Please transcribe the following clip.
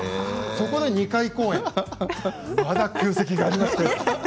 そこで２回公演まだ空席がありますから。